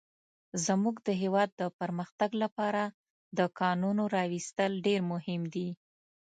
زموږ د هيواد د پرمختګ لپاره د کانونو راويستل ډير مهم دي.